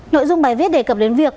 nội dung bài viết đề cập đến việc